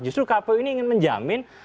justru kpu ini ingin menjamin